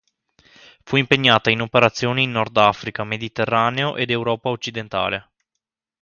Fu impegnata in operazioni in Nordafrica, Mediterraneo ed Europa occidentale.